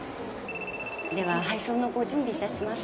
では配送のご準備いたします